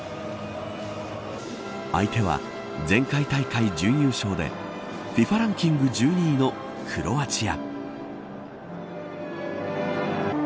相手は、前回大会準優勝でＦＩＦＡランキング１２位のクロアチア。